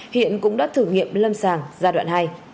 hiện cũng đã thử nghiệm lâm sàng giai đoạn hai